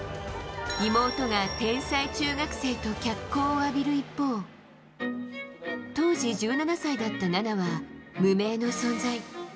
妹が天才中学生と脚光を浴びる一方当時１７歳だった菜那は無名の存在。